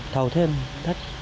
thầu thêm đất